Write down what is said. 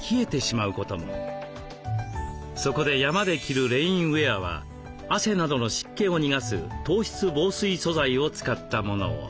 そこで山で着るレインウエアは汗などの湿気を逃がす透湿防水素材を使ったものを。